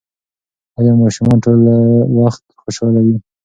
ایا ماشومان ټول وخت خوشحاله وي؟